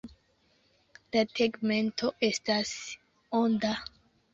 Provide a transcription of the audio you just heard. La tegmento estas onda.